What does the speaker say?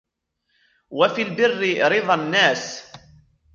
وَفِي الْبِرِّ رِضَى النَّاسِ